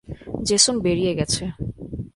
Jason বেরিয়ে গেছে।